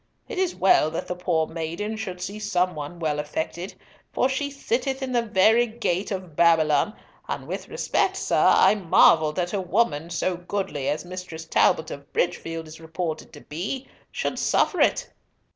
It is well that the poor maiden should see some one well affected, for she sitteth in the very gate of Babylon; and with respect, sir, I marvel that a woman, so godly as Mistress Talbot of Bridgefield is reported to be, should suffer it.